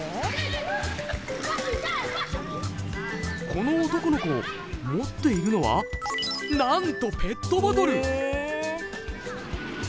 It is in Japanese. この男の子持っているのはなんとペットボトル！え。